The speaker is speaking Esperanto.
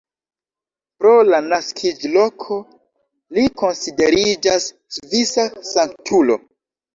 Pro la naskiĝloko li konsideriĝas svisa sanktulo.